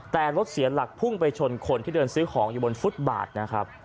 แต่รถเสียหลักพุ่งไปชนคนที่เดินซื้อของอยู่บนฟุตบาทนะครับ